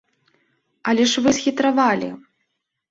Але ж вы схітравалі!